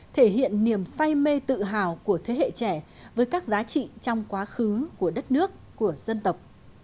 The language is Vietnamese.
thể hiện niềm say mê tự hào của thế hệ trẻ với các giá trị trong quá khứ của đất nước của dân tộc